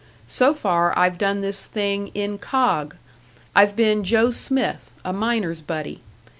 So far I've done this thing incog! I've been Joe Smith, a miner's buddy.